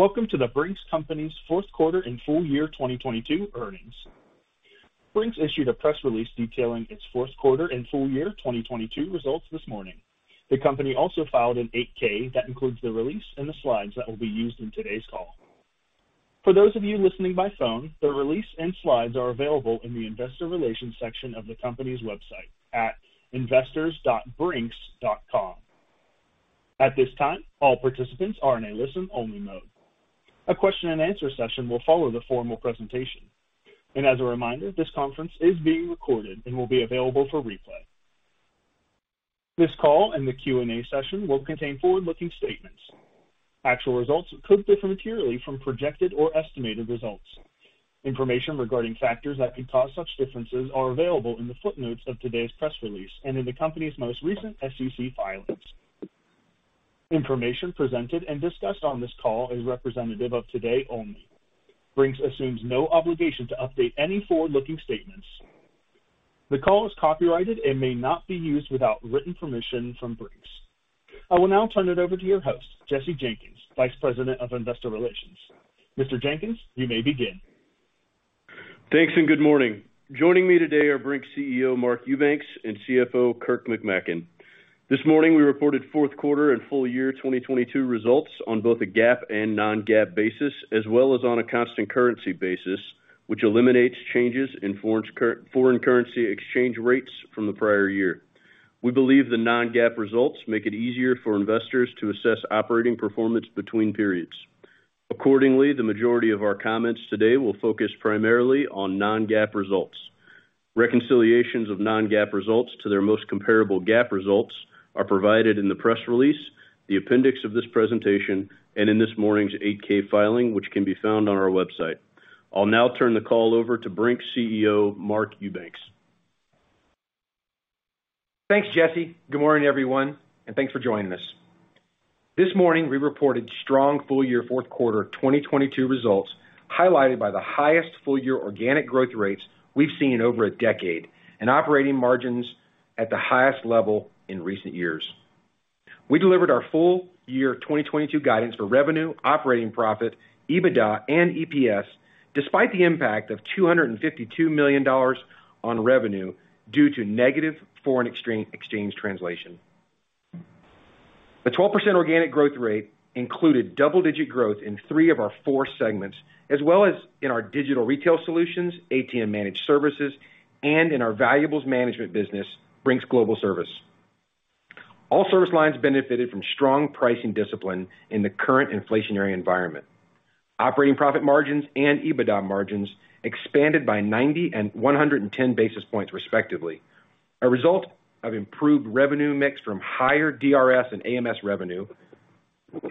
Welcome to The Brink's Company's fourth quarter and full year 2022 earnings. Brink's issued a press release detailing its fourth quarter and full year 2022 results this morning. The company also filed an 8-K that includes the release and the slides that will be used in today's call. For those of you listening by phone, the release and slides are available in the investor relations section of the company's website at investors.brinks.com. At this time, all participants are in a listen only mode. A question and answer session will follow the formal presentation. As a reminder, this conference is being recorded and will be available for replay. This call and the Q&A session will contain forward-looking statements. Actual results could differ materially from projected or estimated results. Information regarding factors that could cause such differences are available in the footnotes of today's press release and in the company's most recent SEC filings. Information presented and discussed on this call is representative of today only. Brink's assumes no obligation to update any forward-looking statements. The call is copyrighted and may not be used without written permission from Brink's. I will now turn it over to your host, Jesse Jenkins, Vice President of Investor Relations. Mr. Jenkins, you may begin. Thanks. Good morning. Joining me today are Brink's CEO Mark Eubanks and CFO Kurt McMaken. This morning, we reported fourth quarter and full year 2022 results on both a GAAP and non-GAAP basis, as well as on a constant currency basis, which eliminates changes in foreign currency exchange rates from the prior year. We believe the non-GAAP results make it easier for investors to assess operating performance between periods. Accordingly, the majority of our comments today will focus primarily on non-GAAP results. Reconciliations of non-GAAP results to their most comparable GAAP results are provided in the press release, the appendix of this presentation, and in this morning's 8-K filing, which can be found on our website. I'll now turn the call over to Brink's CEO Mark Eubanks. Thanks, Jesse. Good morning, everyone, and thanks for joining us. This morning, we reported strong full year fourth quarter 2022 results, highlighted by the highest full year organic growth rates we've seen in over a decade and operating margins at the highest level in recent years. We delivered our full year 2022 guidance for revenue, operating profit, EBITDA and EPS, despite the impact of $252 million on revenue due to negative foreign exchange translation. The 12% organic growth rate included double-digit growth in three of our four segments, as well as in our Digital Retail Solutions, ATM Managed Services, and in our valuables management business, Brink's Global Services. All service lines benefited from strong pricing discipline in the current inflationary environment. Operating profit margins and EBITDA margins expanded by 90 and 110 basis points, respectively, a result of improved revenue mix from higher DRS and AMS revenue,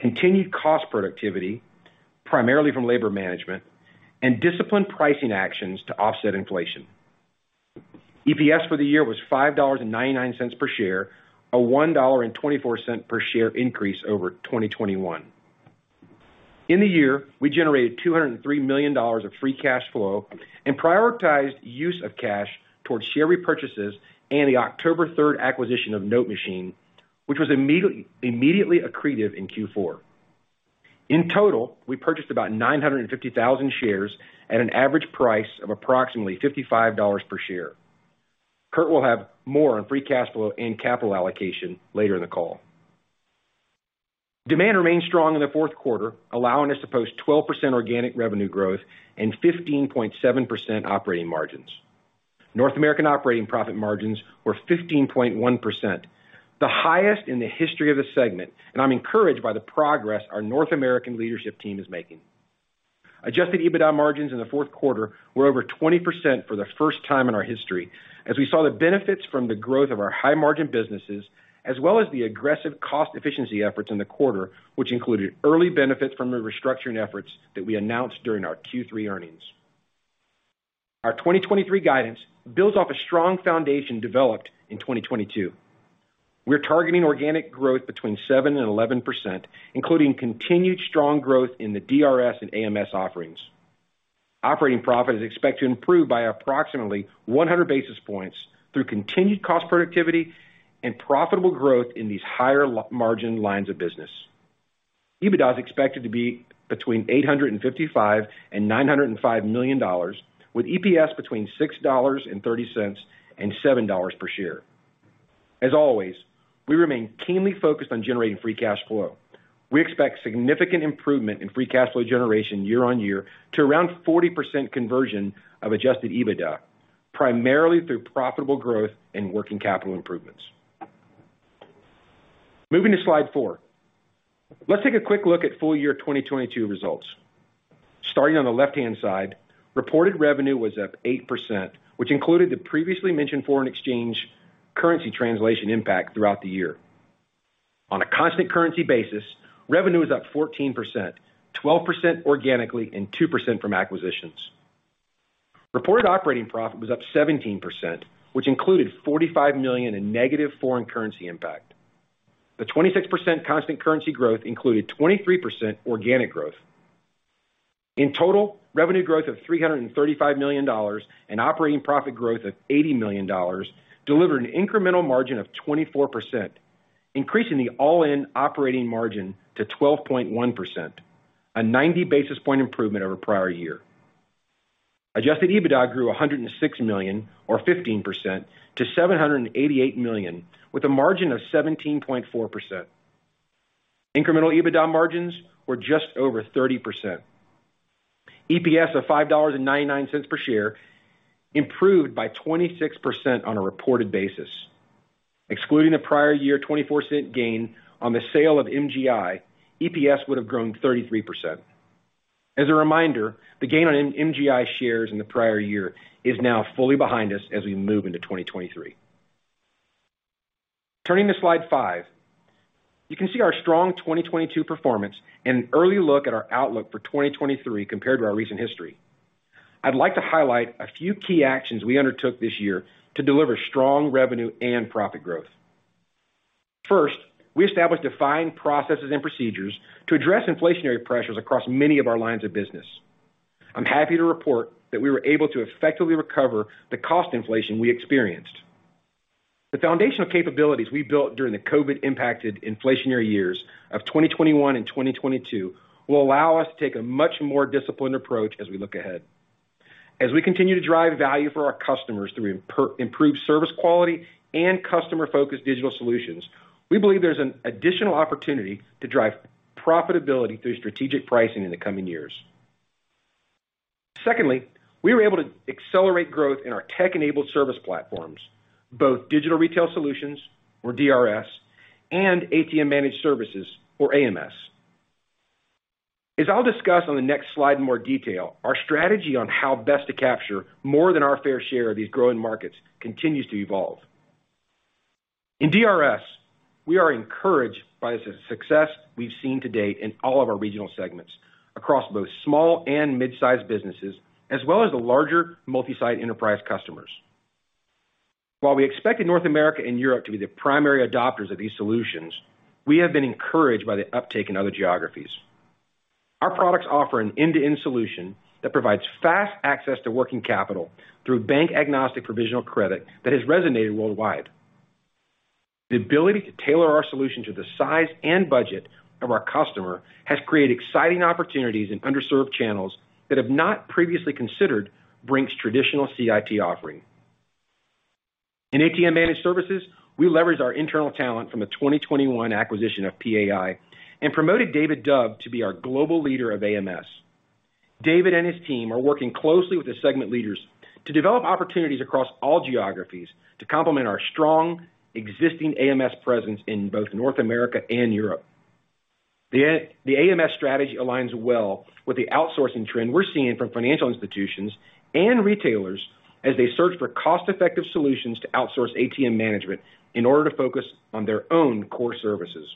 continued cost productivity, primarily from labor management and disciplined pricing actions to offset inflation. EPS for the year was $5.99 per share, a $1.24 per share increase over 2021. In the year, we generated $203 million of free cash flow and prioritized use of cash towards share repurchases and the October 3 acquisition of NoteMachine, which was immediately accretive in Q4. In total, we purchased about 950,000 shares at an average price of approximately $55 per share. Kurt will have more on free cash flow and capital allocation later in the call. Demand remained strong in the fourth quarter, allowing us to post 12% organic revenue growth and 15.7% operating margins. North American operating profit margins were 15.1%, the highest in the history of the segment. I'm encouraged by the progress our North American leadership team is making. Adjusted EBITDA margins in the fourth quarter were over 20% for the first time in our history as we saw the benefits from the growth of our high margin businesses as well as the aggressive cost efficiency efforts in the quarter, which included early benefits from the restructuring efforts that we announced during our Q3 earnings. Our 2023 guidance builds off a strong foundation developed in 2022. We're targeting organic growth between 7% and 11%, including continued strong growth in the DRS and AMS offerings. Operating profit is expected to improve by approximately 100 basis points through continued cost productivity and profitable growth in these higher margin lines of business. EBITDA is expected to be between $855 million and $905 million, with EPS between $6.30 and $7 per share. As always, we remain keenly focused on generating free cash flow. We expect significant improvement in free cash flow generation year-on-year to around 40% conversion of adjusted EBITDA, primarily through profitable growth and working capital improvements. Moving to slide four. Let's take a quick look at full year 2022 results. Starting on the left-hand side, reported revenue was up 8%, which included the previously mentioned foreign exchange currency translation impact throughout the year. On a constant currency basis, revenue was up 14%, 12% organically and 2% from acquisitions. Reported operating profit was up 17%, which included $45 million in negative foreign currency impact. The 26% constant currency growth included 23% organic growth. Total revenue growth of $335 million and operating profit growth of $80 million delivered an incremental margin of 24%, increasing the all-in operating margin to 12.1%, a 90 basis point improvement over prior year. Adjusted EBITDA grew $106 million or 15% to $788 million, with a margin of 17.4%. Incremental EBITDA margins were just over 30%. EPS of $5.99 per share improved by 26% on a reported basis. Excluding the prior year $0.24 gain on the sale of MGI, EPS would have grown 33%. As a reminder, the gain on MGI shares in the prior year is now fully behind us as we move into 2023. Turning to slide five, you can see our strong 2022 performance and an early look at our outlook for 2023 compared to our recent history. I'd like to highlight a few key actions we undertook this year to deliver strong revenue and profit growth. We established defined processes and procedures to address inflationary pressures across many of our lines of business. I'm happy to report that we were able to effectively recover the cost inflation we experienced. The foundational capabilities we built during the COVID-impacted inflationary years of 2021 and 2022 will allow us to take a much more disciplined approach as we look ahead. As we continue to drive value for our customers through improved service quality and customer-focused digital solutions, we believe there's an additional opportunity to drive profitability through strategic pricing in the coming years. Secondly, we were able to accelerate growth in our tech-enabled service platforms, both Digital Retail Solutions, or DRS, and ATM Managed Services, or AMS. As I'll discuss on the next slide in more detail, our strategy on how best to capture more than our fair share of these growing markets continues to evolve. In DRS, we are encouraged by the success we've seen to date in all of our regional segments across both small and mid-sized businesses, as well as the larger multi-site enterprise customers. While we expected North America and Europe to be the primary adopters of these solutions, we have been encouraged by the uptake in other geographies. Our products offer an end-to-end solution that provides fast access to working capital through bank-agnostic provisional credit that has resonated worldwide. The ability to tailor our solution to the size and budget of our customer has created exciting opportunities in underserved channels that have not previously considered Brink's traditional CIT offering. In ATM Managed Services, we leverage our internal talent from the 2021 acquisition of PAI and promoted David Dove to be our global leader of AMS. David and his team are working closely with the segment leaders to develop opportunities across all geographies to complement our strong existing AMS presence in both North America and Europe. The AMS strategy aligns well with the outsourcing trend we're seeing from financial institutions and retailers as they search for cost-effective solutions to outsource ATM management in order to focus on their own core services.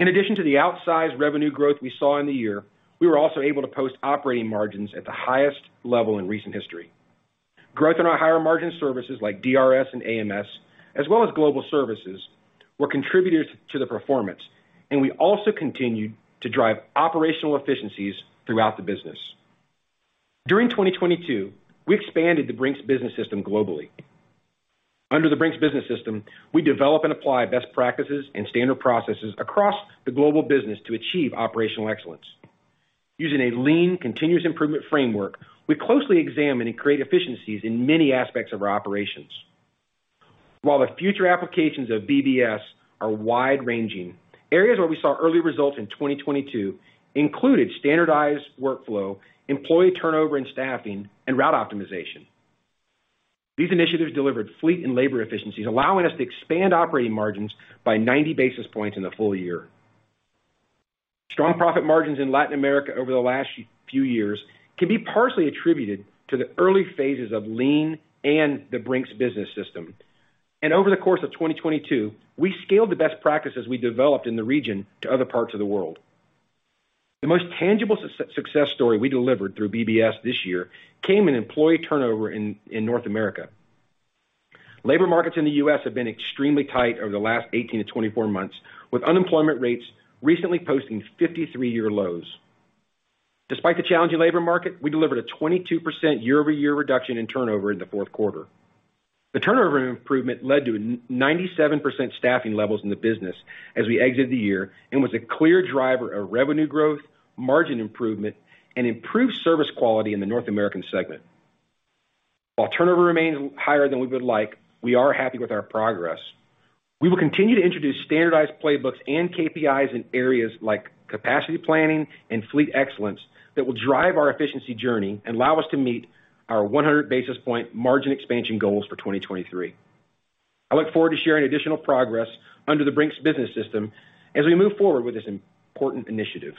In addition to the outsized revenue growth we saw in the year, we were also able to post operating margins at the highest level in recent history. Growth in our higher margin services like DRS and AMS, as well as global services, were contributors to the performance. We also continued to drive operational efficiencies throughout the business. During 2022, we expanded the Brink's Business System globally. Under the Brink's Business System, we develop and apply best practices and standard processes across the global business to achieve operational excellence. Using a lean, continuous improvement framework, we closely examine and create efficiencies in many aspects of our operations. While the future applications of BBS are wide-ranging, areas where we saw early results in 2022 included standardized workflow, employee turnover and staffing, and route optimization. These initiatives delivered fleet and labor efficiencies, allowing us to expand operating margins by 90 basis points in the full year. Strong profit margins in Latin America over the last few years can be partially attributed to the early phases of Lean and the Brink's Business System. Over the course of 2022, we scaled the best practices we developed in the region to other parts of the world. The most tangible success story we delivered through BBS this year came in employee turnover in North America. Labor markets in the U.S. have been extremely tight over the last 18-24 months, with unemployment rates recently posting 53-year lows. Despite the challenging labor market, we delivered a 22% year-over-year reduction in turnover in the fourth quarter. The turnover improvement led to 97% staffing levels in the business as we exit the year and was a clear driver of revenue growth, margin improvement, and improved service quality in the North American segment. While turnover remains higher than we would like, we are happy with our progress. We will continue to introduce standardized playbooks and KPIs in areas like capacity planning and fleet excellence that will drive our efficiency journey and allow us to meet our 100 basis point margin expansion goals for 2023. I look forward to sharing additional progress under the Brink's Business System as we move forward with this important initiative.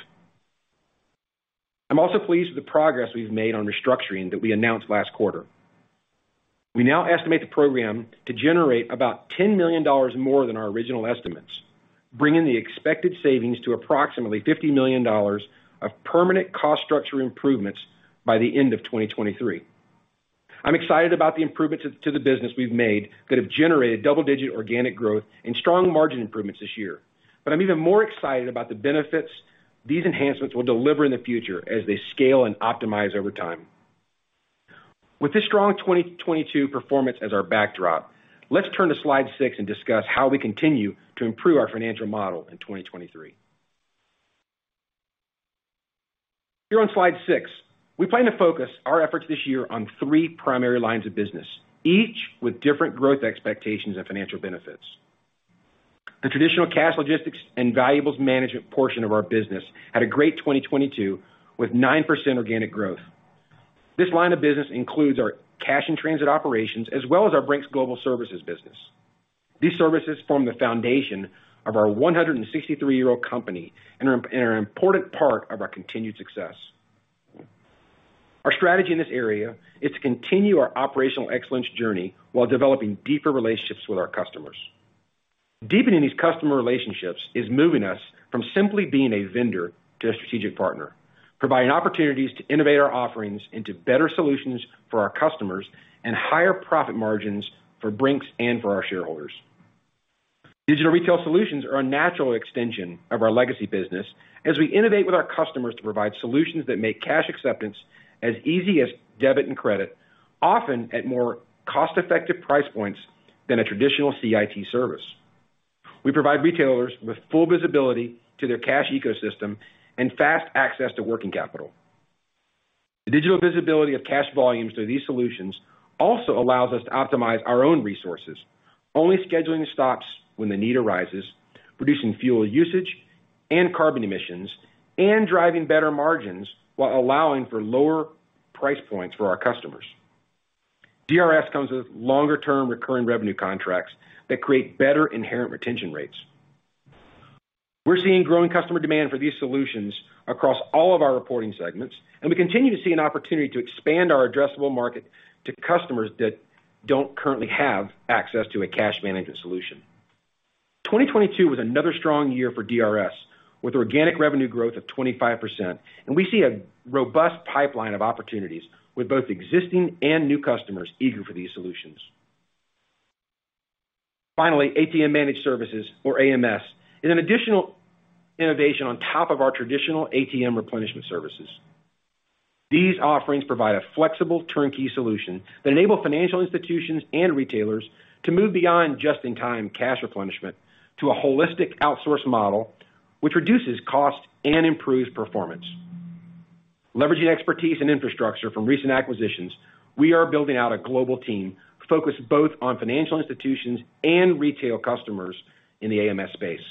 I'm also pleased with the progress we've made on restructuring that we announced last quarter. We now estimate the program to generate about $10 million more than our original estimates, bringing the expected savings to approximately $50 million of permanent cost structure improvements by the end of 2023. I'm excited about the improvements to the business we've made that have generated double-digit organic growth and strong margin improvements this year. I'm even more excited about the benefits these enhancements will deliver in the future as they scale and optimize over time. With this strong 2022 performance as our backdrop, let's turn to slide six and discuss how we continue to improve our financial model in 2023. Here on slide 6, we plan to focus our efforts this year on three primary lines of business, each with different growth expectations and financial benefits. The traditional cash logistics and valuables management portion of our business had a great 2022, with 9% organic growth. This line of business includes our cash-in-transit operations as well as our Brink's Global Services business. These services form the foundation of our 163-year-old company and are an important part of our continued success. Our strategy in this area is to continue our operational excellence journey while developing deeper relationships with our customers. Deepening these customer relationships is moving us from simply being a vendor to a strategic partner, providing opportunities to innovate our offerings into better solutions for our customers and higher profit margins for Brink's and for our shareholders. Digital Retail Solutions are a natural extension of our legacy business as we innovate with our customers to provide solutions that make cash acceptance as easy as debit and credit, often at more cost-effective price points than a traditional CIT service. We provide retailers with full visibility to their cash ecosystem and fast access to working capital. The digital visibility of cash volumes through these solutions also allows us to optimize our own resources, only scheduling stops when the need arises, reducing fuel usage and carbon emissions, and driving better margins while allowing for lower price points for our customers. DRS comes with longer-term recurring revenue contracts that create better inherent retention rates. We're seeing growing customer demand for these solutions across all of our reporting segments, and we continue to see an opportunity to expand our addressable market to customers that don't currently have access to a cash management solution. 2022 was another strong year for DRS, with organic revenue growth of 25%, and we see a robust pipeline of opportunities with both existing and new customers eager for these solutions. Finally, ATM Managed Services, or AMS, is an additional innovation on top of our traditional ATM replenishment services. These offerings provide a flexible turnkey solution that enable financial institutions and retailers to move beyond just-in-time cash replenishment to a holistic outsource model which reduces cost and improves performance. Leveraging expertise and infrastructure from recent acquisitions, we are building out a global team focused both on financial institutions and retail customers in the AMS space.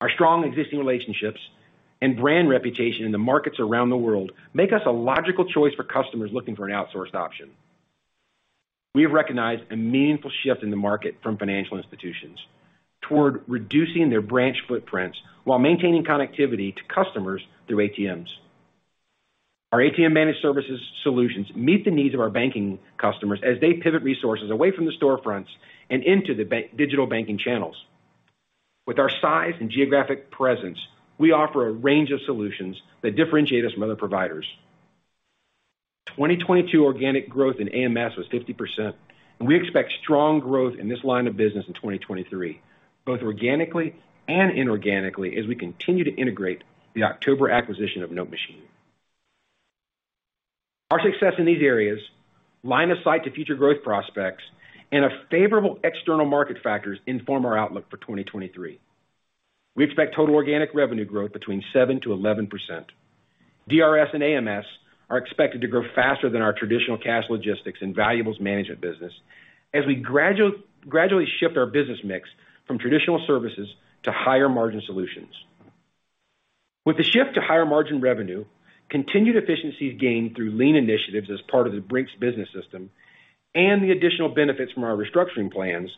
Our strong existing relationships and brand reputation in the markets around the world make us a logical choice for customers looking for an outsourced option. We have recognized a meaningful shift in the market from financial institutions toward reducing their branch footprints while maintaining connectivity to customers through ATMs. Our ATM Managed Services solutions meet the needs of our banking customers as they pivot resources away from the storefronts and into the digital banking channels. With our size and geographic presence, we offer a range of solutions that differentiate us from other providers. 2022 organic growth in AMS was 50%, and we expect strong growth in this line of business in 2023, both organically and inorganically as we continue to integrate the October acquisition of NoteMachine. Our success in these areas line of sight to future growth prospects and a favorable external market factors inform our outlook for 2023. We expect total organic revenue growth between 7%-11%. DRS and AMS are expected to grow faster than our traditional cash logistics and valuables management business as we gradually shift our business mix from traditional services to higher-margin solutions. With the shift to higher-margin revenue, continued efficiencies gained through lean initiatives as part of the Brink's Business System, and the additional benefits from our restructuring plans,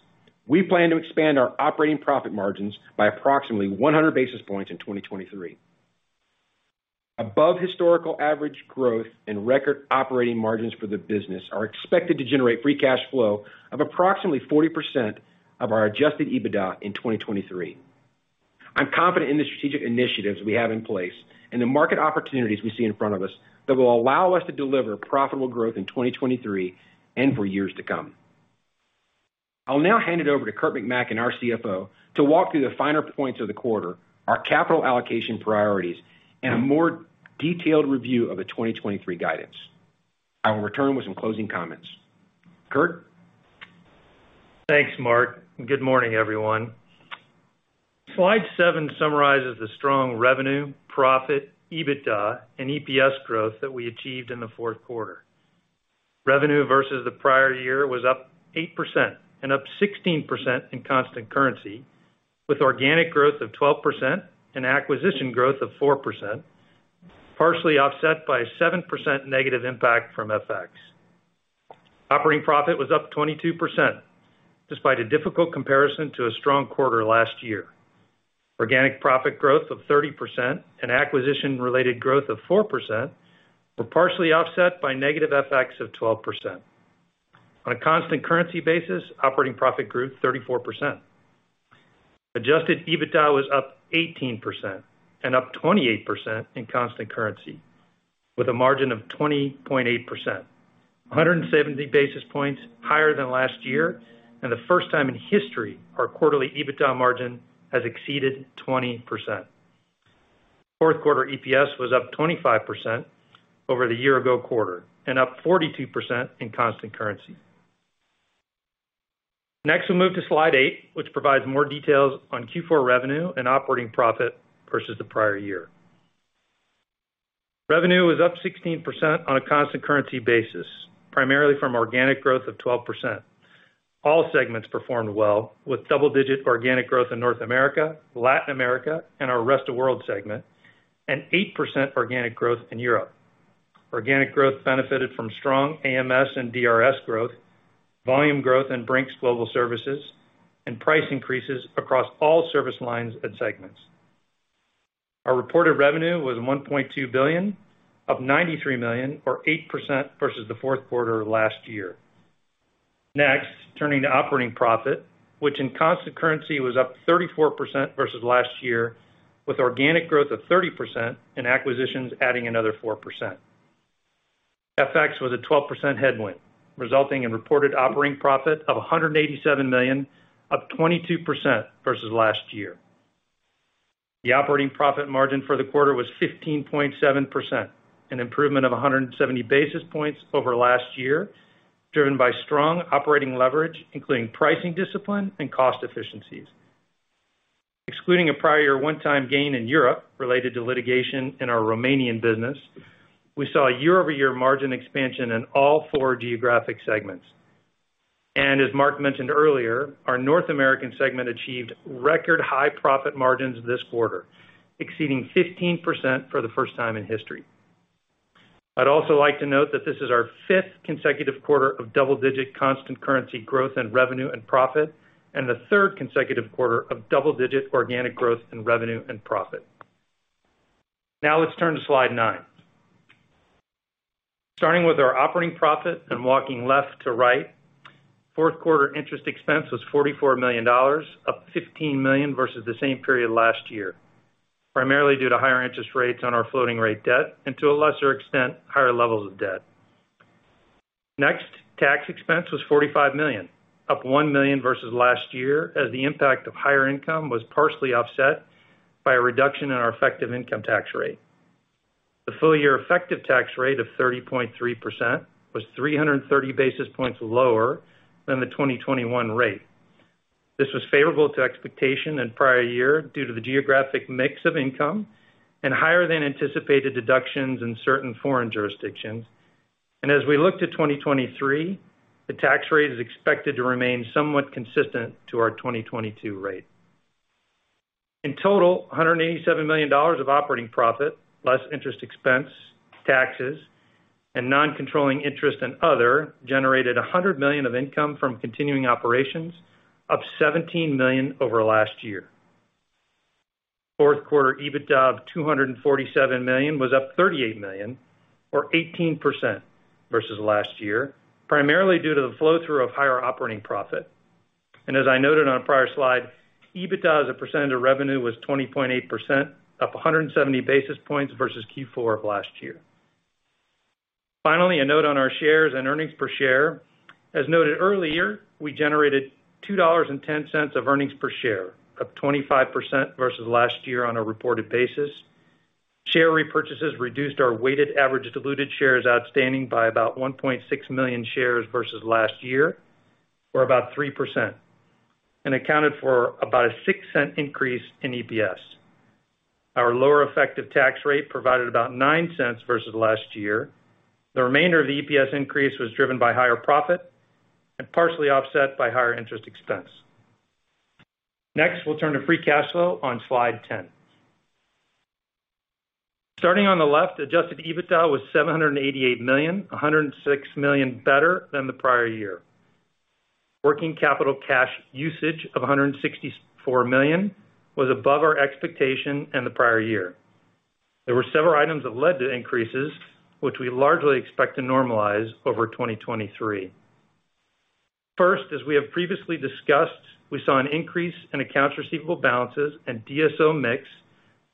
we plan to expand our operating profit margins by approximately 100 basis points in 2023. Above historical average growth and record operating margins for the business are expected to generate free cash flow of approximately 40% of our adjusted EBITDA in 2023. I'm confident in the strategic initiatives we have in place and the market opportunities we see in front of us that will allow us to deliver profitable growth in 2023 and for years to come. I'll now hand it over to Kurt McMaken and our CFO, to walk through the finer points of the quarter, our capital allocation priorities, and a more detailed review of the 2023 guidance. I will return with some closing comments. Kurt? Thanks, Mark. Good morning, everyone. Slide 7 summarizes the strong revenue, profit, EBITDA, and EPS growth that we achieved in the fourth quarter. Revenue versus the prior year was up 8% and up 16% in constant currency, with organic growth of 12% and acquisition growth of 4%, partially offset by a 7% negative impact from FX. Operating profit was up 22% despite a difficult comparison to a strong quarter last year. Organic profit growth of 30% and acquisition-related growth of 4% were partially offset by negative FX of 12%. On a constant currency basis, operating profit grew 34%. Adjusted EBITDA was up 18% and up 28% in constant currency with a margin of 20.8%. 170 basis points higher than last year and the first time in history our quarterly EBITDA margin has exceeded 20%. Fourth quarter EPS was up 25% over the year ago quarter and up 42% in constant currency. Next, we move to slide eight, which provides more details on Q4 revenue and operating profit versus the prior year. Revenue was up 16% on a constant currency basis, primarily from organic growth of 12%. All segments performed well with double-digit organic growth in North America, Latin America, and our Rest of World segment, and 8% organic growth in Europe. Organic growth benefited from strong AMS and DRS growth, volume growth in Brink's Global Services, and price increases across all service lines and segments. Our reported revenue was $1.2 billion, up $93 million or 8% versus the fourth quarter of last year. Next, turning to operating profit, which in constant currency was up 34% versus last year, with organic growth of 30% and acquisitions adding another 4%. FX was a 12% headwind, resulting in reported operating profit of $187 million, up 22% versus last year. The operating profit margin for the quarter was 15.7%, an improvement of 170 basis points over last year, driven by strong operating leverage, including pricing discipline and cost efficiencies. Excluding a prior one-time gain in Europe related to litigation in our Romanian business, we saw a year-over-year margin expansion in all four geographic segments. As Mark mentioned earlier, our North American segment achieved record high profit margins this quarter, exceeding 15% for the first time in history. I'd also like to note that this is our 5th consecutive quarter of double-digit constant currency growth in revenue and profit, and the 3rd consecutive quarter of double-digit organic growth in revenue and profit. Let's turn to slide 9. Starting with our operating profit and walking left to right, fourth quarter interest expense was $44 million, up $15 million versus the same period last year, primarily due to higher interest rates on our floating rate debt and to a lesser extent, higher levels of debt. Tax expense was $45 million, up $1 million versus last year, as the impact of higher income was partially offset by a reduction in our effective income tax rate. The full year effective tax rate of 30.3% was 330 basis points lower than the 2021 rate. This was favorable to expectation in prior year due to the geographic mix of income and higher than anticipated deductions in certain foreign jurisdictions. As we look to 2023, the tax rate is expected to remain somewhat consistent to our 2022 rate. In total, $187 million of operating profit, less interest expense, taxes, and non-controlling interest and other, generated $100 million of income from continuing operations, up $17 million over last year. Fourth quarter EBITDA of $247 million was up $38 million or 18% versus last year, primarily due to the flow-through of higher operating profit. As I noted on a prior slide, EBITDA as a percentage of revenue was 20.8%, up 170 basis points versus Q4 of last year. Finally, a note on our shares and earnings per share. As noted earlier, we generated $2.10 of earnings per share of 25% versus last year on a reported basis. Share repurchases reduced our weighted average diluted shares outstanding by about 1.6 million shares versus last year, or about 3%, and accounted for about a $0.06 increase in EPS. Our lower effective tax rate provided about $0.09 versus last year. The remainder of the EPS increase was driven by higher profit and partially offset by higher interest expense. Next, we'll turn to free cash flow on slide 10. Starting on the left, adjusted EBITDA was $788 million, $106 million better than the prior year. Working capital cash usage of $164 million was above our expectation in the prior year. There were several items that led to increases, which we largely expect to normalize over 2023. First, as we have previously discussed, we saw an increase in accounts receivable balances and DSO mix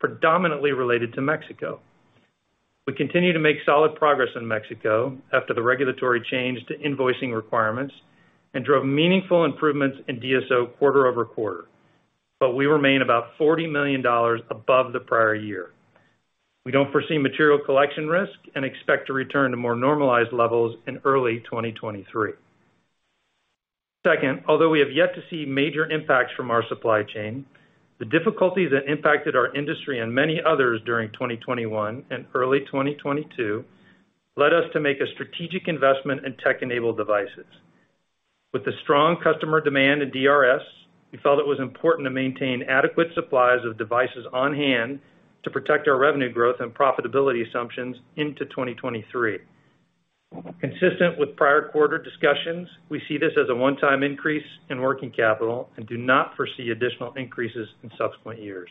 predominantly related to Mexico. We continue to make solid progress in Mexico after the regulatory change to invoicing requirements and drove meaningful improvements in DSO quarter over quarter. We remain about $40 million above the prior year. We don't foresee material collection risk and expect to return to more normalized levels in early 2023. Second, although we have yet to see major impacts from our supply chain, the difficulties that impacted our industry and many others during 2021 and early 2022 led us to make a strategic investment in tech-enabled devices. With the strong customer demand at DRS, we felt it was important to maintain adequate supplies of devices on hand to protect our revenue growth and profitability assumptions into 2023. Consistent with prior quarter discussions, we see this as a one-time increase in working capital and do not foresee additional increases in subsequent years.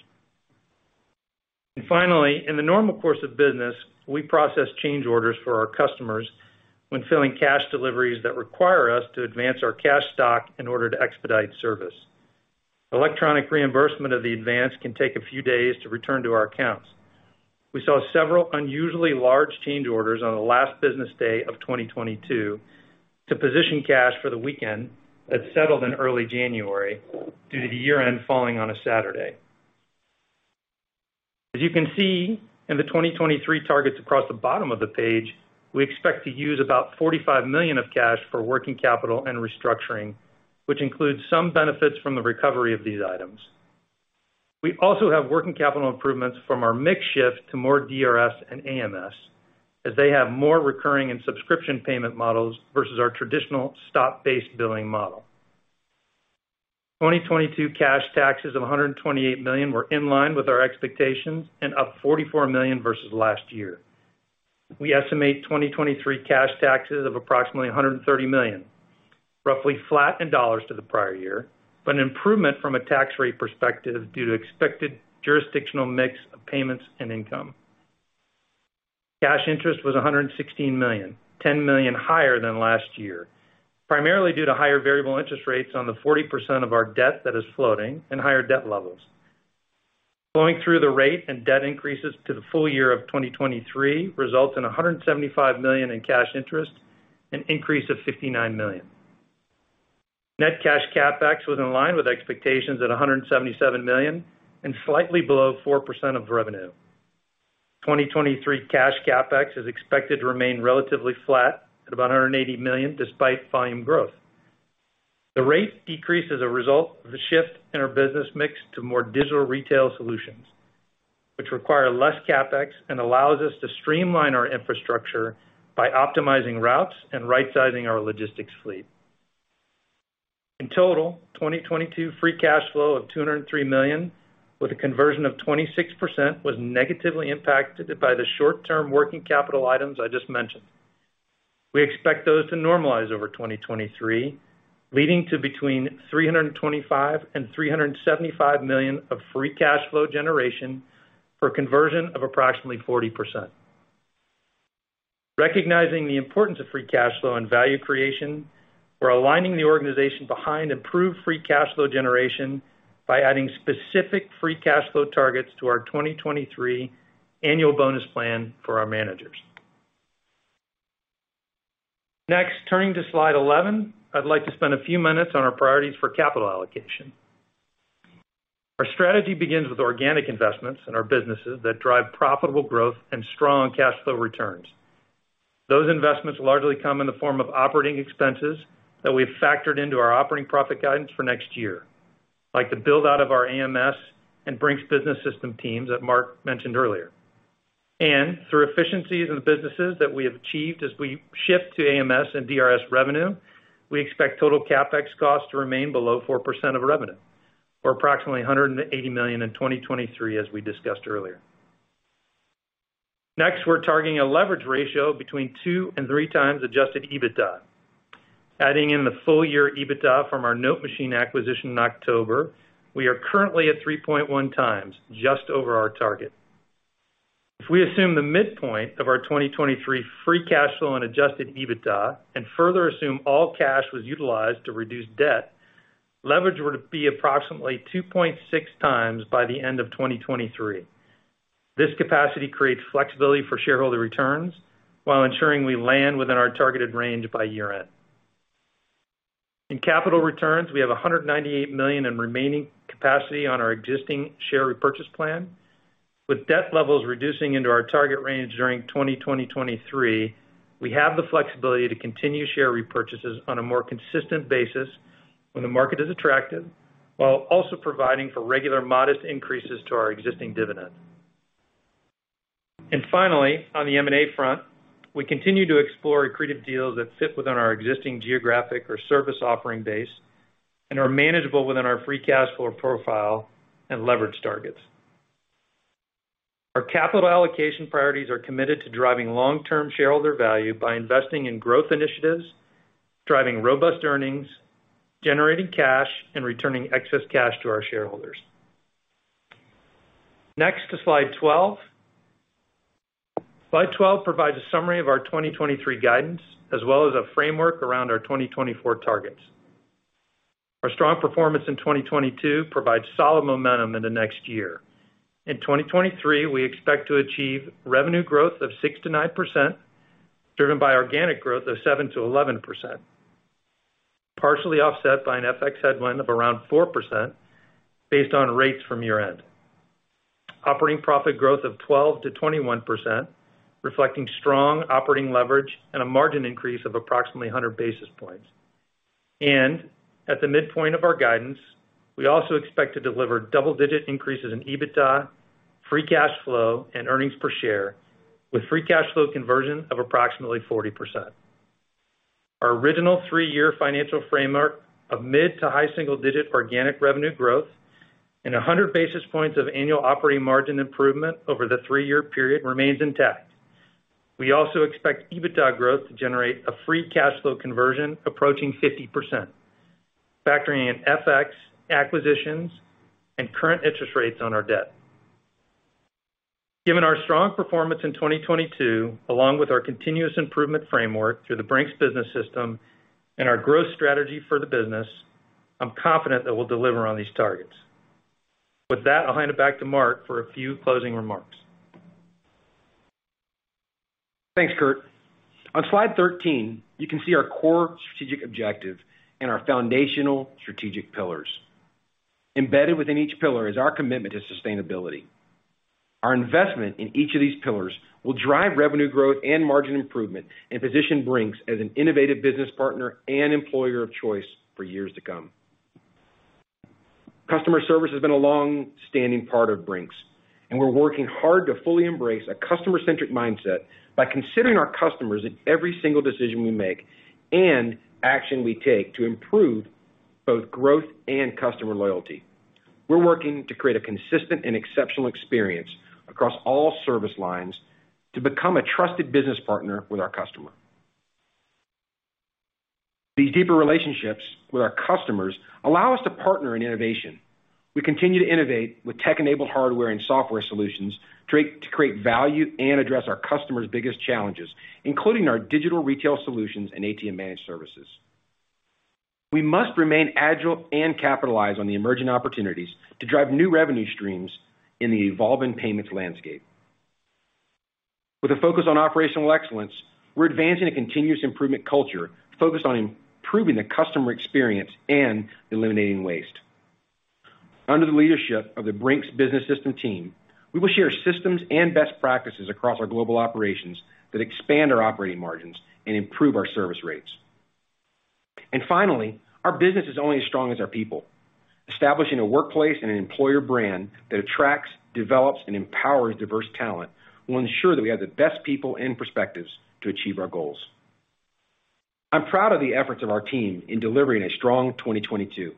Finally, in the normal course of business, we process change orders for our customers when filling cash deliveries that require us to advance our cash stock in order to expedite service. Electronic reimbursement of the advance can take a few days to return to our accounts. We saw several unusually large change orders on the last business day of 2022 to position cash for the weekend that settled in early January due to the year-end falling on a Saturday. You can see in the 2023 targets across the bottom of the page, we expect to use about $45 million of cash for working capital and restructuring, which includes some benefits from the recovery of these items. We also have working capital improvements from our mix shift to more DRS and AMS, as they have more recurring and subscription payment models versus our traditional stock-based billing model. 2022 cash taxes of $128 million were in line with our expectations and up $44 million versus last year. We estimate 2023 cash taxes of approximately $130 million, roughly flat in dollars to the prior year. An improvement from a tax rate perspective due to expected jurisdictional mix of payments and income. Cash interest was $116 million, $10 million higher than last year, primarily due to higher variable interest rates on the 40% of our debt that is floating and higher debt levels. Flowing through the rate and debt increases to the full year of 2023 results in $175 million in cash interest, an increase of $59 million. Net cash CapEx was in line with expectations at $177 million and slightly below 4% of revenue. 2023 cash CapEx is expected to remain relatively flat at about $180 million despite volume growth. The rate decreased as a result of the shift in our business mix to more Digital Retail Solutions, which require less CapEx and allows us to streamline our infrastructure by optimizing routes and rightsizing our logistics fleet. In total, 2022 free cash flow of $203 million with a conversion of 26% was negatively impacted by the short-term working capital items I just mentioned. We expect those to normalize over 2023, leading to between $325 million and $375 million of free cash flow generation for conversion of approximately 40%. Recognizing the importance of free cash flow and value creation, we're aligning the organization behind improved free cash flow generation by adding specific free cash flow targets to our 2023 annual bonus plan for our managers. Next, turning to slide 11, I'd like to spend a few minutes on our priorities for capital allocation. Our strategy begins with organic investments in our businesses that drive profitable growth and strong cash flow returns. Those investments largely come in the form of operating expenses that we've factored into our operating profit guidance for next year. Like the build-out of our AMS and Brink's Business System teams that Mark mentioned earlier. Through efficiencies in the businesses that we have achieved as we shift to AMS and DRS revenue, we expect total CapEx costs to remain below 4% of revenue, or approximately $180 million in 2023, as we discussed earlier. Next, we're targeting a leverage ratio between two and three times adjusted EBITDA. Adding in the full year EBITDA from our NoteMachine acquisition in October, we are currently at 3.1x, just over our target. If we assume the midpoint of our 2023 free cash flow and adjusted EBITDA and further assume all cash was utilized to reduce debt, leverage were to be approximately 2.6x by the end of 2023. This capacity creates flexibility for shareholder returns while ensuring we land within our targeted range by year-end. In capital returns, we have $198 million in remaining capacity on our existing share repurchase plan. With debt levels reducing into our target range during 2023, we have the flexibility to continue share repurchases on a more consistent basis when the market is attractive, while also providing for regular modest increases to our existing dividend. Finally, on the M&A front, we continue to explore accretive deals that fit within our existing geographic or service offering base and are manageable within our free cash flow profile and leverage targets. Our capital allocation priorities are committed to driving long-term shareholder value by investing in growth initiatives, driving robust earnings, generating cash, and returning excess cash to our shareholders. Next to Slide 12. Slide 12 provides a summary of our 2023 guidance as well as a framework around our 2024 targets. Our strong performance in 2022 provides solid momentum in the next year. In 2023, we expect to achieve revenue growth of 6%-9%, driven by organic growth of 7%-11%, partially offset by an FX headwind of around 4% based on rates from year-end. Operating profit growth of 12%-21%, reflecting strong operating leverage and a margin increase of approximately 100 basis points. At the midpoint of our guidance, we also expect to deliver double-digit increases in EBITDA, free cash flow, and earnings per share, with free cash flow conversion of approximately 40%. Our original three-year financial framework of mid to high single-digit organic revenue growth and 100 basis points of annual operating margin improvement over the three-year period remains intact. We also expect EBITDA growth to generate a free cash flow conversion approaching 50%, factoring in FX acquisitions and current interest rates on our debt. Given our strong performance in 2022, along with our continuous improvement framework through the Brink's Business System and our growth strategy for the business, I'm confident that we'll deliver on these targets. With that, I'll hand it back to Mark for a few closing remarks. Thanks, Kurt. On slide 13, you can see our core strategic objective and our foundational strategic pillars. Embedded within each pillar is our commitment to sustainability. Our investment in each of these pillars will drive revenue growth and margin improvement, and position Brink's as an innovative business partner and employer of choice for years to come. Customer service has been a long-standing part of Brink's, and we're working hard to fully embrace a customer-centric mindset by considering our customers in every single decision we make and action we take to improve both growth and customer loyalty. We're working to create a consistent and exceptional experience across all service lines to become a trusted business partner with our customer. These deeper relationships with our customers allow us to partner in innovation. We continue to innovate with tech-enabled hardware and software solutions to create value and address our customers' biggest challenges, including our Digital Retail Solutions and ATM Managed Services. We must remain agile and capitalize on the emerging opportunities to drive new revenue streams in the evolving payments landscape. With a focus on operational excellence, we're advancing a continuous improvement culture focused on improving the customer experience and eliminating waste. Under the leadership of the Brink's Business System team, we will share systems and best practices across our global operations that expand our operating margins and improve our service rates. Finally, our business is only as strong as our people. Establishing a workplace and an employer brand that attracts, develops, and empowers diverse talent will ensure that we have the best people and perspectives to achieve our goals. I'm proud of the efforts of our team in delivering a strong 2022.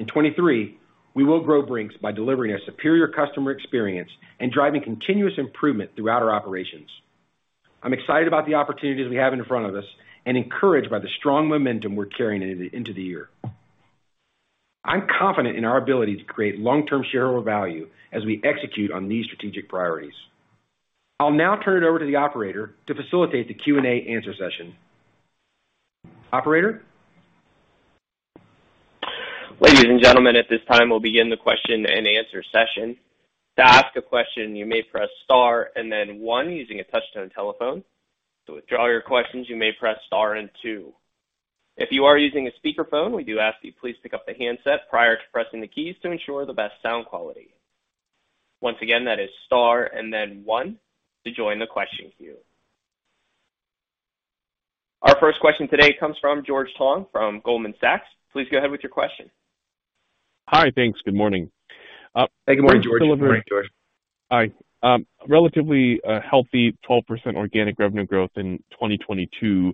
In 2023, we will grow Brink's by delivering a superior customer experience and driving continuous improvement throughout our operations. I'm excited about the opportunities we have in front of us and encouraged by the strong momentum we're carrying into the year. I'm confident in our ability to create long-term shareholder value as we execute on these strategic priorities. I'll now turn it over to the operator to facilitate the Q&A answer session. Operator? Ladies and gentlemen, at this time we'll begin the question-and-answer session. To ask a question, you may press star and then one using a touch-tone telephone. To withdraw your questions, you may press star and two. If you are using a speakerphone, we do ask that you please pick up the handset prior to pressing the keys to ensure the best sound quality. Once again, that is star and then one to join the question queue. Our first question today comes from George Tong from Goldman Sachs. Please go ahead with your question. Hi. Thanks. Good morning. Hey. Good morning, George. Hi. relatively, healthy 12% organic revenue growth in 2022.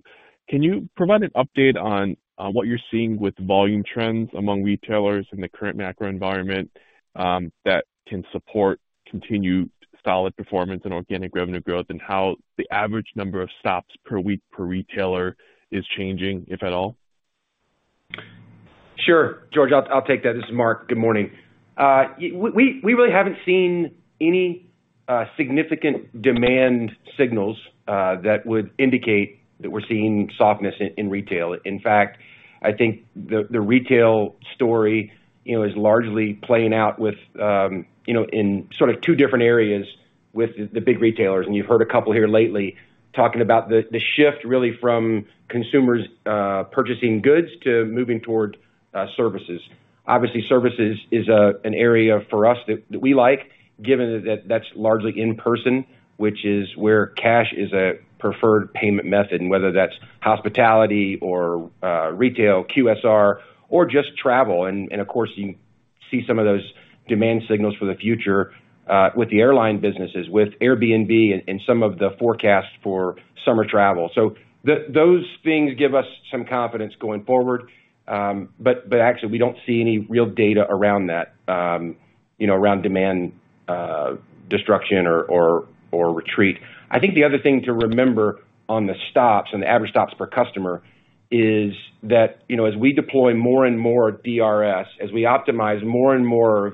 Can you provide an update on what you're seeing with volume trends among retailers in the current macro environment, that can support continued solid performance and organic revenue growth, and how the average number of stops per week per retailer is changing, if at all? Sure, George. I'll take that. This is Mark. Good morning. We really haven't seen any significant demand signals that would indicate that we're seeing softness in retail. In fact, I think the retail story, you know, is largely playing out with, you know, in sort of two different areas with the big retailers. You've heard a couple here lately talking about the shift really from consumers purchasing goods to moving toward services. Obviously, services is an area for us that we like, given that that's largely in person, which is where cash is a preferred payment method, and whether that's hospitality or retail, QSR, or just travel. Of course, you see some of those demand signals for the future with the airline businesses, with Airbnb and some of the forecasts for summer travel. Those things give us some confidence going forward. But actually we don't see any real data around that, you know, around demand destruction or retreat. I think the other thing to remember on the stops and the average stops per customer is that, you know, as we deploy more and more DRS, as we optimize more and more of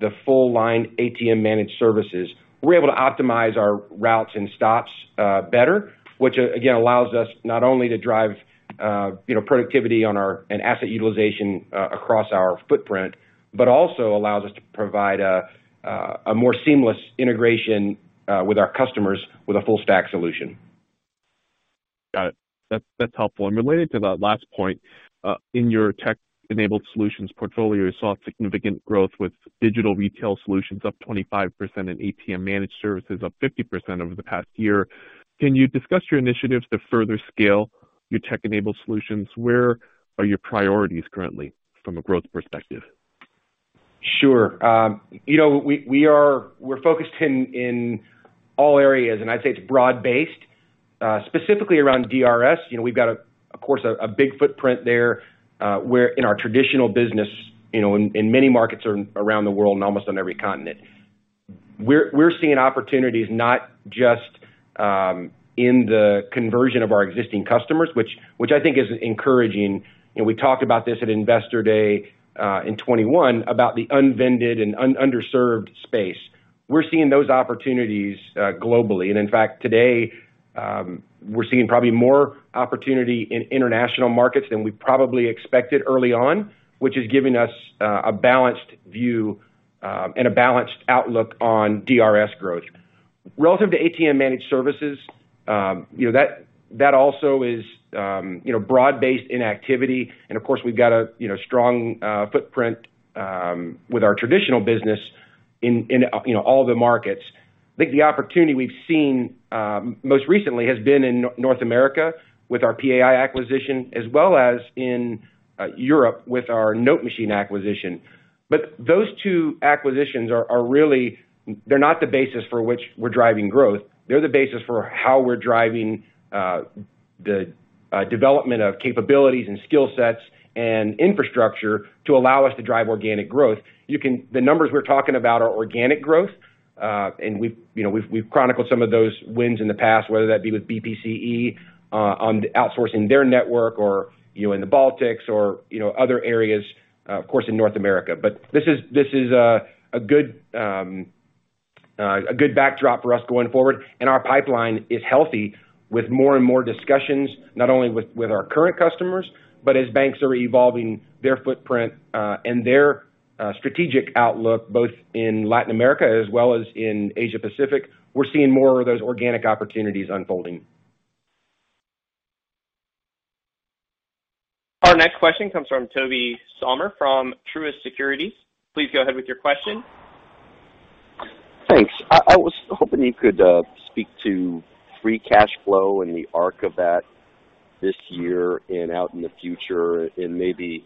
the full line ATM Managed Services, we're able to optimize our routes and stops better, which again, allows us not only to drive, you know, productivity on our... Asset utilization, across our footprint, but also allows us to provide a more seamless integration, with our customers with a full stack solution. Got it. That's, that's helpful. Related to that last point, in your tech-enabled solutions portfolio, you saw significant growth with Digital Retail Solutions up 25% and ATM Managed Services up 50% over the past year. Can you discuss your initiatives to further scale your tech-enabled solutions? Where are your priorities currently from a growth perspective? Sure. you know, we're focused in all areas. I'd say it's broad-based. Specifically around DRS, you know, we've got a, of course, a big footprint there, where in our traditional business, you know, in many markets around the world and almost on every continent. We're seeing opportunities not just in the conversion of our existing customers, which I think is encouraging. You know, we talked about this at Investor Day, in 2021 about the unvended and underserved space. We're seeing those opportunities globally. In fact, today, we're seeing probably more opportunity in international markets than we probably expected early on, which is giving us a balanced view and a balanced outlook on DRS growth. Relative to ATM Managed Services, you know, that also is, you know, broad-based in activity. Of course, we've got a, you know, strong footprint with our traditional business in, you know, all the markets. I think the opportunity we've seen most recently has been in North America with our PAI acquisition as well as in Europe with our NoteMachine acquisition. Those two acquisitions are really. They're not the basis for which we're driving growth. They're the basis for how we're driving the development of capabilities and skill sets and infrastructure to allow us to drive organic growth. The numbers we're talking about are organic growth, and we've, you know, we've chronicled some of those wins in the past, whether that be with BPCE on outsourcing their network or, you know, in the Baltics or, you know, other areas, of course, in North America. This is a good backdrop for us going forward, and our pipeline is healthy with more and more discussions, not only with our current customers, but as banks are evolving their footprint, and their strategic outlook both in Latin America as well as in Asia-Pacific, we're seeing more of those organic opportunities unfolding. Our next question comes from Tobey Sommer from Truist Securities. Please go ahead with your question. Thanks. I was hoping you could speak to free cash flow and the arc of that this year and out in the future, and maybe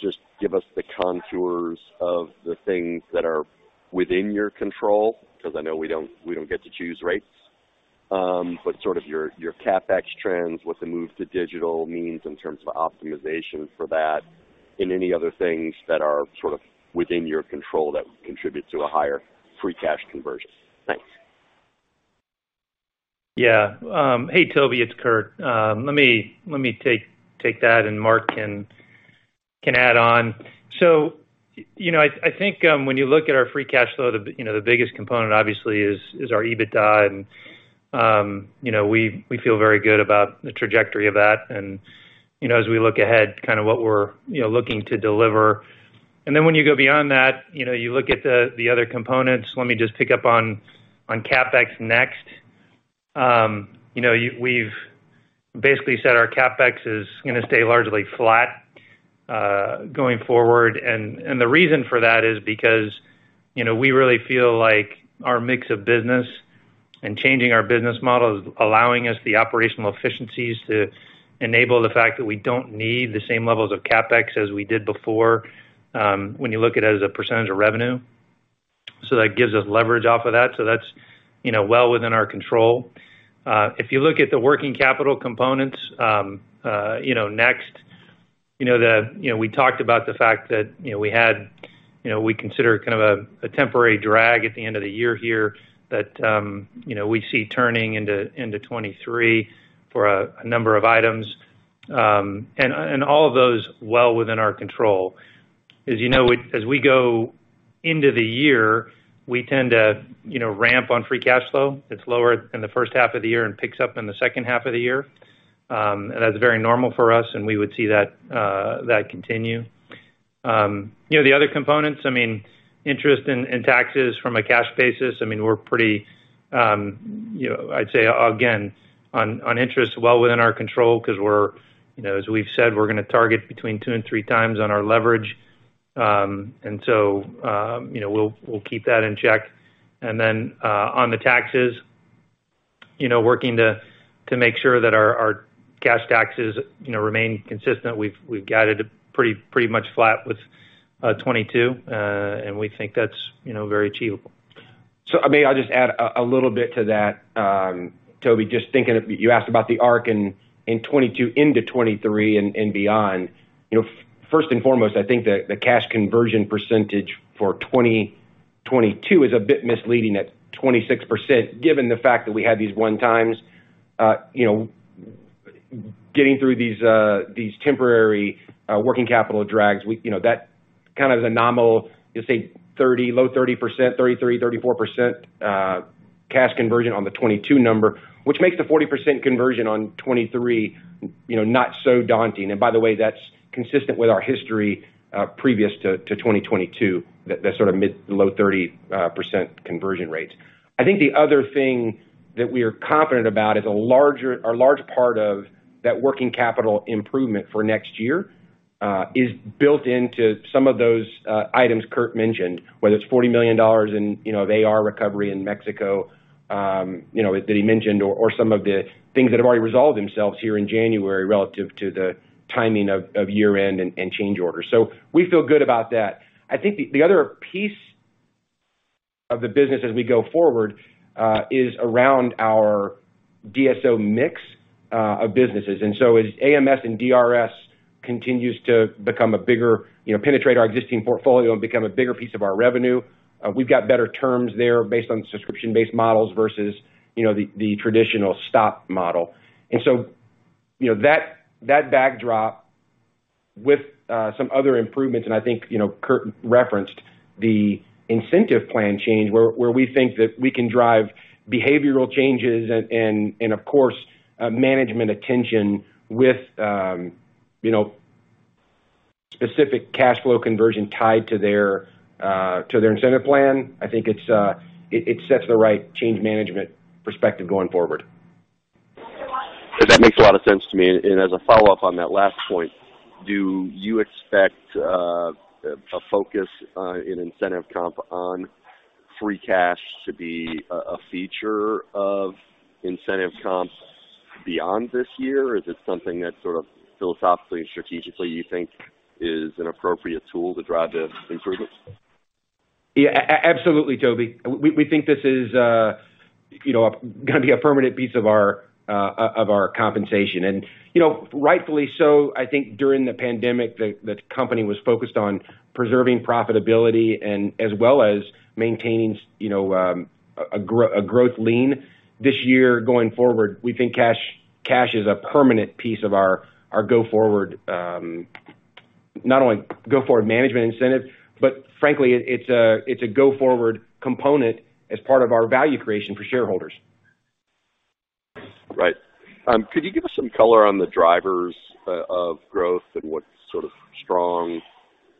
just give us the contours of the things that are within your control, because I know we don't get to choose rates. Sort of your CapEx trends, what the move to digital means in terms of optimization for that, and any other things that are sort of within your control that contribute to a higher free cash conversion. Thanks. Yeah. Hey, Tobey, it's Kurt. Let me take that and Mark can add on. You know, I think when you look at our free cash flow, you know, the biggest component obviously is our EBITDA, and, you know, we feel very good about the trajectory of that and, you know, as we look ahead, kind of what we're, you know, looking to deliver. Then when you go beyond that, you know, you look at the other components. Let me just pick up on CapEx next. You know, we've basically said our CapEx is gonna stay largely flat going forward. The reason for that is because, you know, we really feel like our mix of business and changing our business model is allowing us the operational efficiencies to enable the fact that we don't need the same levels of CapEx as we did before, when you look at it as a percentage of revenue. That gives us leverage off of that. That's, you know, well within our control. If you look at the working capital components, you know, next, you know, we talked about the fact that we had, we consider kind of a temporary drag at the end of the year here that, you know, we see turning into 2023 for a number of items. And all of those well within our control. As you know, as we go into the year, we tend to, you know, ramp on free cash flow. It's lower in the first half of the year and picks up in the second half of the year. That's very normal for us, and we would see that continue. You know, the other components, I mean, interest and taxes from a cash basis, I mean, we're pretty, you know. I'd say again, on interest, well within our control because we're, you know, as we've said, we're gonna target between two and three times on our leverage. So, you know, we'll keep that in check. Then, on the taxes, you know, working to make sure that our cash taxes, you know, remain consistent. We've guided pretty much flat with 2022, and we think that's, you know, very achievable. I mean, I'll just add a little bit to that, Tobey, just thinking of. You asked about the arc in 2022 into 2023 and beyond. You know, first and foremost, I think the cash conversion percentage for 2022 is a bit misleading at 26%, given the fact that we had these one times, you know, getting through these temporary working capital drags. You know, that kind of the nominal, let's say 30, low 30%, 33%, 34% cash conversion on the 2022 number, which makes the 40% conversion on 2023, you know, not so daunting. By the way, that's consistent with our history, previous to 2022, the sort of mid to low 30% conversion rates. I think the other thing that we are confident about is a large part of that working capital improvement for next year is built into some of those items Kurt mentioned, whether it's $40 million in, you know, the AR recovery in Mexico, you know, that he mentioned or some of the things that have already resolved themselves here in January relative to the timing of year-end and change orders. We feel good about that. I think the other piece of the business as we go forward is around our DSO mix of businesses. As AMS and DRS continues to become a bigger, you know, penetrate our existing portfolio and become a bigger piece of our revenue, we've got better terms there based on subscription-based models versus, you know, the traditional stock model. you know, that backdrop with some other improvements, and I think, you know, Kurt referenced the incentive plan change, where we think that we can drive behavioral changes and of course, management attention with, you know, specific cash flow conversion tied to their to their incentive plan. I think it sets the right change management perspective going forward. That makes a lot of sense to me. As a follow-up on that last point, do you expect a focus in incentive comp on free cash to be a feature of incentive comp beyond this year? Is it something that sort of philosophically and strategically you think is an appropriate tool to drive the improvements? Absolutely, Tobey. We think this is, you know, gonna be affirmative piece of our compensation. You know, rightfully so, I think during the pandemic, the company was focused on preserving profitability and as well as maintaining, you know, a growth lean this year. Going forward, we think cash is a permanent piece of our go-forward, not only go forward management incentive, but frankly, it's a go forward component as part of our value creation for shareholders. Right. Could you give us some color on the drivers of growth and what sort of strong,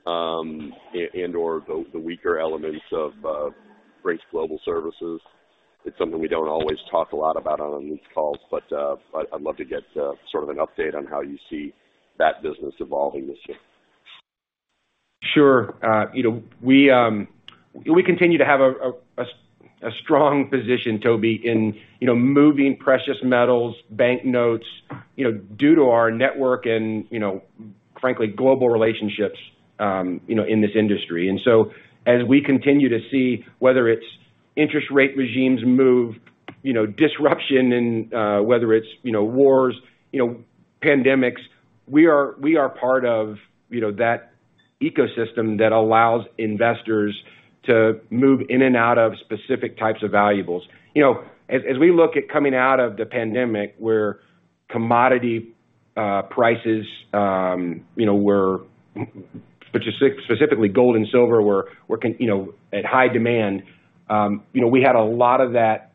and/or the weaker elements of Brink's Global Services? It's something we don't always talk a lot about on these calls, but I'd love to get sort of an update on how you see that business evolving this year. Sure. you know, we continue to have a strong position, Toby, in, you know, moving precious metals, banknotes, you know, due to our network and, you know, frankly, global relationships, you know, in this industry. As we continue to see whether it's interest rate regimes move, you know, disruption and, whether it's, you know, wars, you know, pandemics, we are part of, you know, that ecosystem that allows investors to move in and out of specific types of valuables. You know, as we look at coming out of the pandemic where commodity prices, you know, were specifically gold and silver, were at high demand, you know, we had a lot of that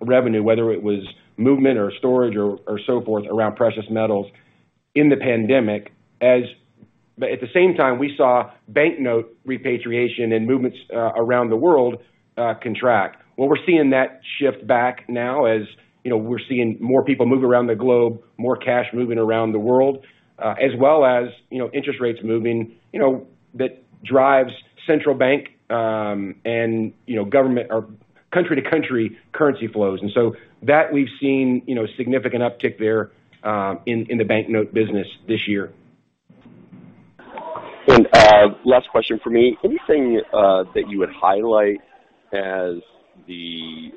revenue, whether it was movement or storage or so forth around precious metals in the pandemic. At the same time, we saw banknote repatriation and movements around the world contract. Well, we're seeing that shift back now as, you know, we're seeing more people move around the globe, more cash moving around the world, as well as, you know, interest rates moving. You know, that drives central bank and, you know, government or country-to-country currency flows. That we've seen, you know, significant uptick there in the banknote business this year. Last question for me. Anything that you would highlight as the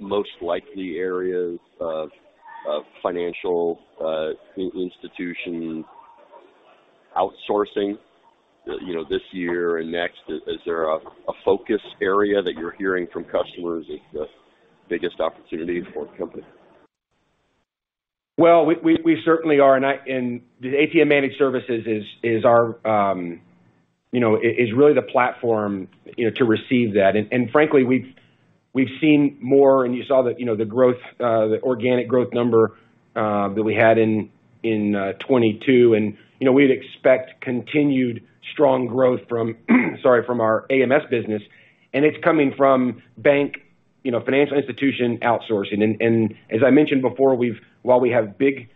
most likely areas of financial in-institution outsourcing, you know, this year and next, is there a focus area that you're hearing from customers is the biggest opportunity for the company? Well, we certainly are. The ATM Managed Services is our, you know, really the platform, you know, to receive that. Frankly, we've seen more and you saw the, you know, the growth, the organic growth number that we had in 2022. You know, we'd expect continued strong growth from our AMS business, and it's coming from bank, you know, financial institution outsourcing. As I mentioned before, while we have big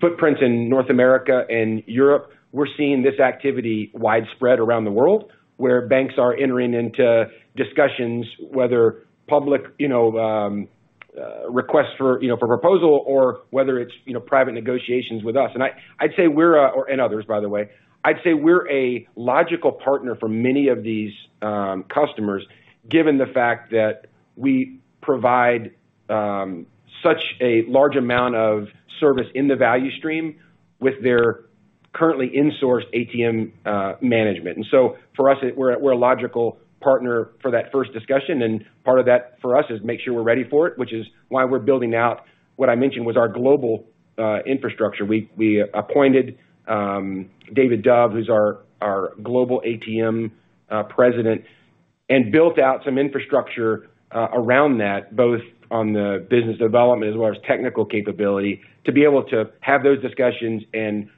footprints in North America and Europe, we're seeing this activity widespread around the world where banks are entering into discussions, whether public, you know, request for, you know, for proposal or whether it's, you know, private negotiations with us. Others, by the way, I'd say we're a logical partner for many of these customers, given the fact that we provide such a large amount of service in the value stream with their currently insourced ATM management. For us, we're a, we're a logical partner for that first discussion, and part of that for us is make sure we're ready for it, which is why we're building out what I mentioned was our global infrastructure. We appointed David Dove, who's our global ATM President, and built out some infrastructure around that, both on the business development as well as technical capability to be able to have those discussions and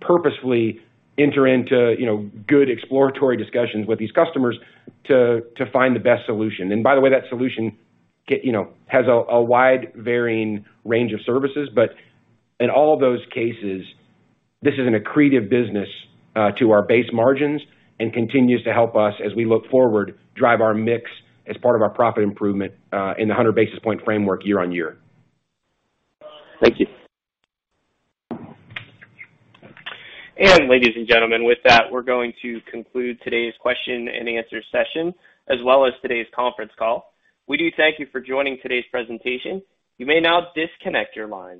purposefully enter into, you know, good exploratory discussions with these customers to find the best solution. By the way, that solution you know, has a wide varying range of services. In all of those cases, this is an accretive business to our base margins and continues to help us as we look forward, drive our mix as part of our profit improvement in the 100 basis point framework year-over-year. Thank you. Ladies and gentlemen, with that, we're going to conclude today's question and answer session, as well as today's conference call. We do thank you for joining today's presentation. You may now disconnect your lines.